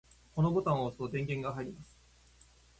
このボタンを押すと電源が入ります。